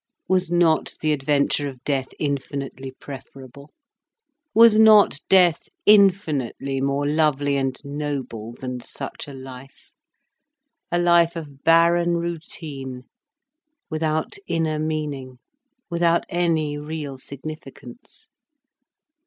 Was not the adventure of death infinitely preferable? Was not death infinitely more lovely and noble than such a life? A life of barren routine, without inner meaning, without any real significance.